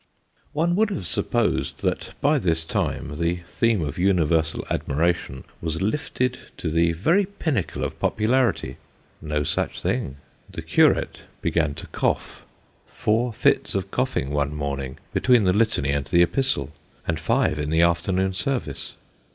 One would have supposed that, by this time, the theme of universal admiration was lifted to the very pinnacle of popularity. No such thing. The curate began to cough ; four fits of coughing one morning between the Litany and the Epistle, and five in the afternoon service.